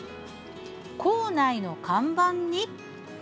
構内の看板に。